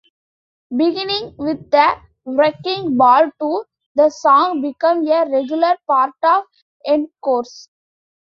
Beginning with the Wrecking Ball tour, the song became a regular part of encores.